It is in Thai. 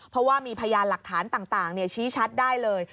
เพราะว่ามีพยานหลักฐานต่างชี้ชัดได้เลย